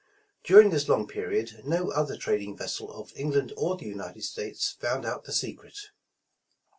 During this long period no other trading vessel of England or the United States found out the secret.